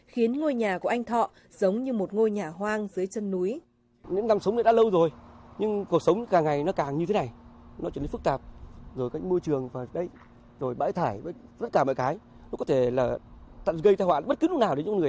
khiến ngôi nhà của anh thọ giống như một ngôi nhà hoang dưới chân núi